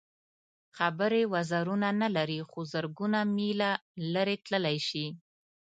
خبرې وزرونه نه لري خو زرګونه مېله لرې تللی شي.